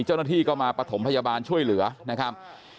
เจ้าหน้าที่ก็มาปฐมพยาบาลช่วยเหลือนะครับ